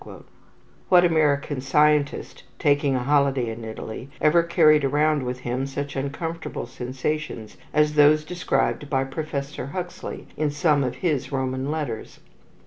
What American scientist, taking a holiday in Italy, ever carried around with him such uncomfortable sensations as those described by Professor Huxley in some of his Roman letters?